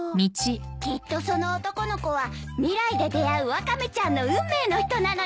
きっとその男の子は未来で出会うワカメちゃんの運命の人なのよ。